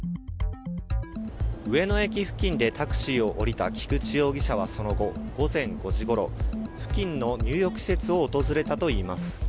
上野駅付近でタクシーを降りた菊池容疑者はその後、午前５時ごろ付近の入浴施設を訪れたといいます。